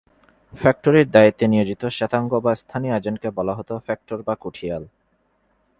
ফ্যাক্টরির দায়িত্বে নিয়োজিত শ্বেতাঙ্গ বা স্থানীয় এজেন্টকে বলা হতো ফ্যাক্টর বা কুঠিয়াল।